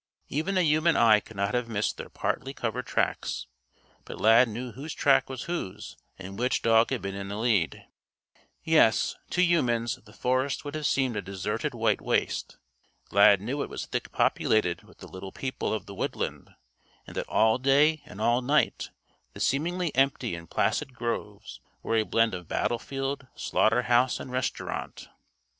Even a human eye could not have missed their partly covered tracks; but Lad knew whose track was whose and which dog had been in the lead. Yes, to humans, the forest would have seemed a deserted white waste. Lad knew it was thick populated with the Little People of the woodland, and that all day and all night the seemingly empty and placid groves were a blend of battlefield, slaughterhouse and restaurant.